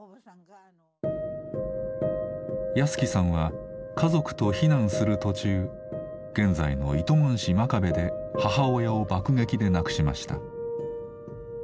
保喜さんは家族と避難する途中現在の糸満市真壁で母親を爆撃で亡くしました。